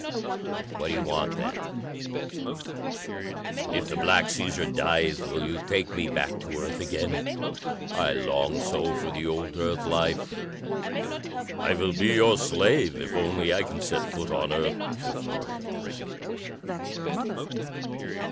"What do you want, then?" "If the Black Caesar dies will you take me back to Earth again? I long so for the old Earth life. I will be your slave, if only I can set foot on Earth before I die."